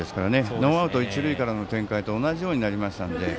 ノーアウト、一塁からの展開と同じようになりましたので。